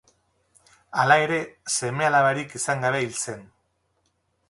Hala ere, seme-alabarik izan gabe hil zen.